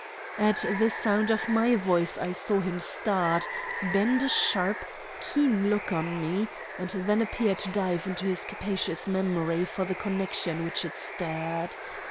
At the sound of my voice I saw him start, bend a sharp, keen look on me, and then appear to dive into his capacious memory for the connection which it stirred.